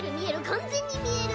完全に見える。